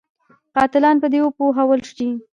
قاتلان په دې وپوهول شي.